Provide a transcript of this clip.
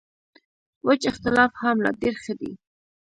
وچ اختلاف هم لا ډېر ښه دی.